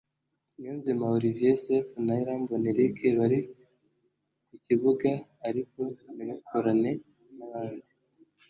Niyonzima Olivier Sefu na Irambona Eric bari ku kibuga ariko ntibakorane n’abandi